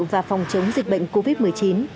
và phòng chống dịch bệnh covid một mươi chín